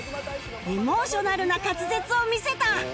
エモーショナルな滑舌を見せた！